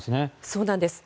そうなんです。